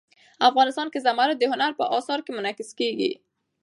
افغانستان کې زمرد د هنر په اثار کې منعکس کېږي.